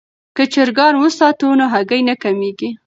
که چرګان وساتو نو هګۍ نه کمیږي.